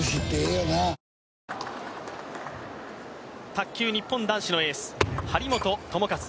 卓球日本男子のエース・張本智和。